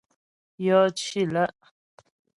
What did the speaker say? Yɔ cì lá'.